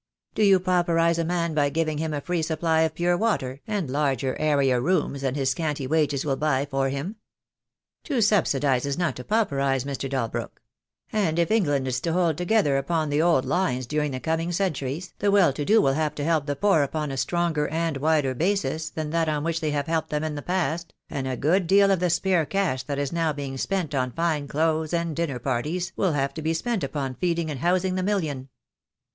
Do you pauperise a man by giving him a free supply of pure water, and larger, airier rooms than his scanty wages will buy for him? To subsidize is not to pauperise, Mr. Dalbrook; and if England is to hold together upon the old lines during the coming centuries, the well to do will have to help the poor upon a stronger and wider basis than that on which they have helped them in the past, and a good deal of the spare cash that is now being spent on fine clothes and dinner parties will have to be spent upon feeding and housing the million."